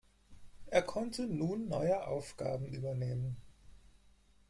Er konnte nun neue Aufgaben übernehmen.